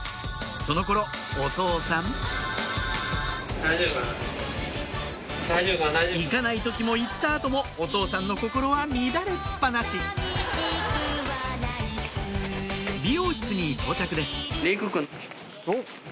その頃お父さん行かない時も行った後もお父さんの心は乱れっ放し美容室に到着です